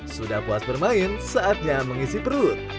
sudah puas bermain saatnya mengisi perut